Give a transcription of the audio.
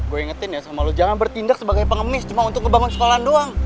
saya ingatkan kamu jangan bertindak sebagai pengemis hanya untuk pembangunan sekolah